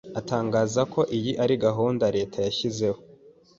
atangaza ko iyi ari gahunda leta yashyizeho